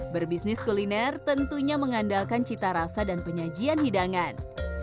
berbisnis kuliner tentunya mengandalkan cita rasa dan penyajian hidangan